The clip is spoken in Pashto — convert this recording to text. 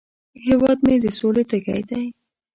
هیواد مې د سولې تږی دی